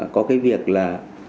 có cái việc là